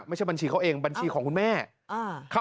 ไม่ใช่บัญชีเขาเองบัญชีของคุณแม่